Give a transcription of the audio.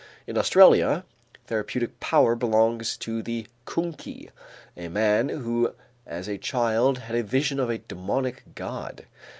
In Australia, therapeutic power belongs to the koonkie, a man who as a child had a vision of a demonic god.